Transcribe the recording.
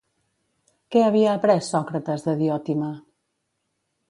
Què havia après Sòcrates de Diòtima?